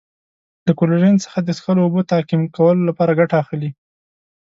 له کلورین څخه د څښلو اوبو تعقیم کولو لپاره ګټه اخلي.